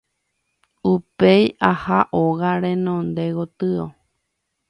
Upéi aha óga renonde gotyo.